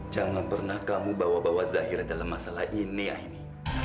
jangan pernah kamu bawa bawa zahira dalam masalah ini ya ini